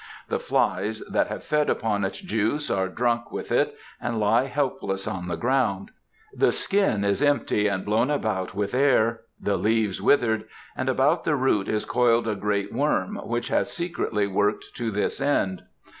The flies that have fed upon its juice are drunk with it and lie helpless on the ground; the skin is empty and blown out with air, the leaves withered, and about the root is coiled a great worm which has secretly worked to this end.